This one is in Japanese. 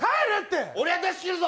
俺は出し切るぞ。